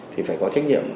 thì phải có trách nhiệm